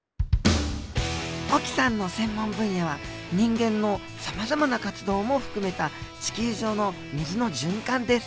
沖さんの専門分野は人間のさまざまな活動も含めた地球上の水の循環です。